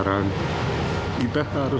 lain kepada security